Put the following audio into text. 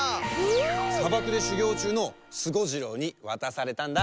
さばくでしゅぎょうちゅうのスゴジロウにわたされたんだ！